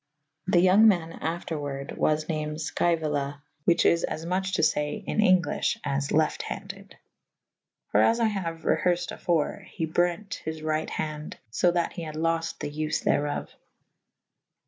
The yonge man after warde was named Sceuola / whiche is as muche to fay in Englyffh as lefte handed. For as I haue reherfed afore / he brente his ryght hande / so that he had lofte the vfe therof.